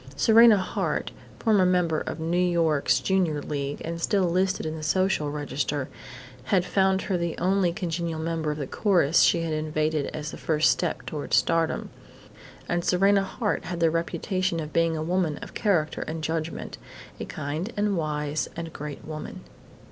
Serena Hart, former member of New York's Junior League and still listed in the Social Register, had found her the only congenial member of the chorus she had invaded as the first step toward stardom. And Serena Hart had the reputation of being a woman of character and judgment, a kind and wise and great woman....